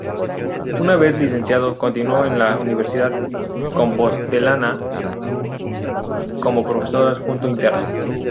Una vez licenciado, continuó en la universidad compostelana como profesor adjunto interino.